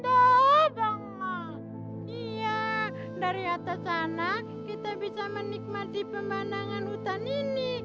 ya dari atas sana kita bisa menikmati pemandangan hutan ini